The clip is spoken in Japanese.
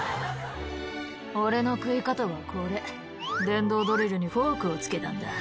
「俺の食い方はこれ」「電動ドリルにフォークを付けたんだ」